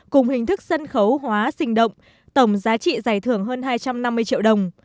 cùng hình thức sân khấu hóa sinh động tổng giá trị giải thưởng hơn hai trăm năm mươi triệu đồng